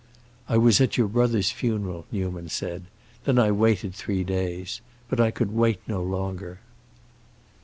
"I was at your brother's funeral," Newman said. "Then I waited three days. But I could wait no longer."